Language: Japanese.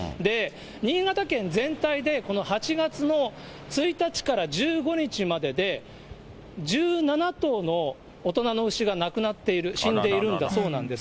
新潟県全体でこの８月の１日から１５日までで、１７頭の大人の牛が亡くなっている、死んでいるんだそうです。